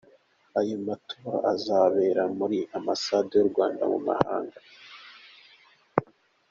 Ayo matora azabera kuri Ambasade z’u Rwanda mu mahanga.